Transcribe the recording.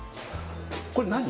これ何？